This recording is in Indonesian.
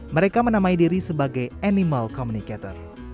mereka menamai diri sebagai animal communicator